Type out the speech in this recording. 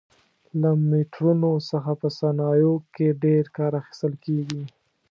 له میټرونو څخه په صنایعو کې ډېر کار اخیستل کېږي.